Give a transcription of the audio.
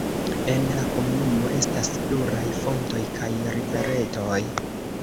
En la komunumo estas pluraj fontoj kaj riveretoj.